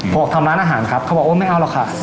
บอกทำร้านอาหารครับเขาบอกโอ้ไม่เอาหรอกค่ะ